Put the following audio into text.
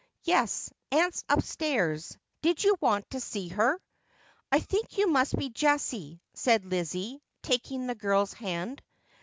' Yes, aunt's upstairs. Did you want to see her ]'' 1 think you must be Jessie,' said Lizzie, taking the girl's hand.